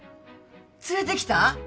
連れてきた？